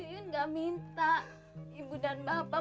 yun enggak minta ibu dan bapak